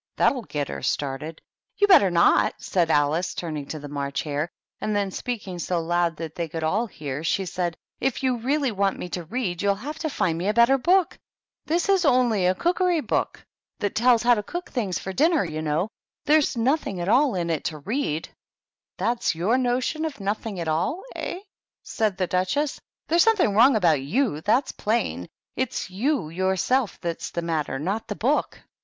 "That'll get her started." " You'd better not," said Alice, turning to the March Hare; and then, speaking so loud that they could all hear, she said, —" If you really want me to read, you'll have to find me a better book. This is only a cookery 70 THE TEA TABLE. book, that tells how to cook things for dinner, you know. There's nothing at all in it to ready " That's your notion of ' nothing at all, hey ?" said the Duchess. "There's something wrong about youj that's plain. It's you yourself that's the matter, not the book."